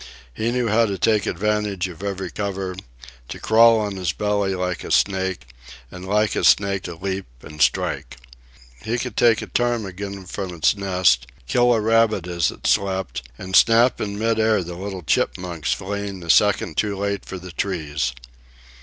He knew how to take advantage of every cover, to crawl on his belly like a snake, and like a snake to leap and strike. He could take a ptarmigan from its nest, kill a rabbit as it slept, and snap in mid air the little chipmunks fleeing a second too late for the trees.